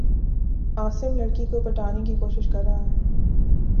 عاصم لڑ کی کو پٹانے کی کو شش کر رہا ہے